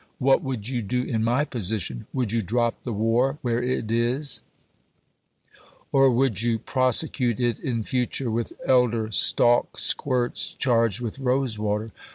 What would you do in my position ? Would you drop the war where it is ? Or would you prosecute it in future with elder stalk squirts charged with rose water